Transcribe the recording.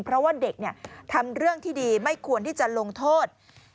เพราะว่าเด็กทำเรื่องที่ดีไม่ควรที่จะลงโทษ